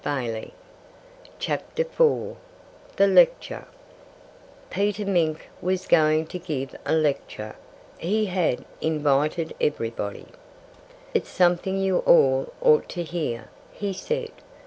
THE LECTURE Peter Mink was going to give a lecture. He had invited everybody. "It's something you all ought to hear," he said.